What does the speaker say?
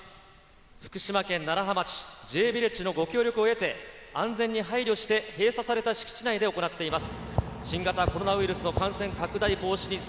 福島県楢葉町、Ｊヴィレッジのご協力を得て安全に配慮して、閉鎖された敷地内で行っています。